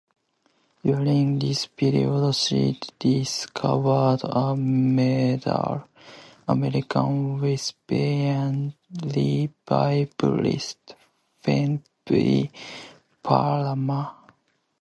During this period she discovered a model, American Wesleyan revivalist Phoebe Palmer.